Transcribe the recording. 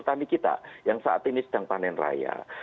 ketika petani kita yang saat ini sedang panen raya